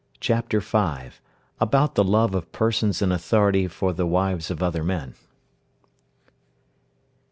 ] CHAPTER V. ABOUT THE LOVE OF PERSONS IN AUTHORITY FOR THE WIVES OF OTHER MEN.